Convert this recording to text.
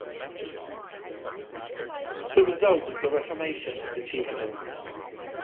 The result was the reformation of The Chieftains.